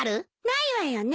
ないわよね。